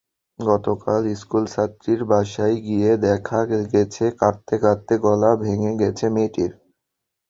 গতকাল স্কুলছাত্রীর বাসায় গিয়ে দেখা গেছে, কাঁদতে কাঁদতে গলা ভেঙে গেছে মেয়েটির।